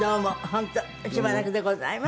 本当しばらくでございました。